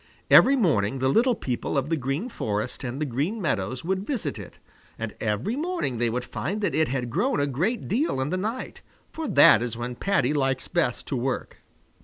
Every morning the little people of the Green Forest and the Green Meadows would visit it, and every morning they would find that it had grown a great deal in the night, for that is when Paddy likes best to work.